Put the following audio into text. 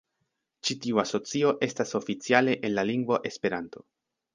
Ĉi-tiu asocio estas oficiale en la lingvo "Esperanto".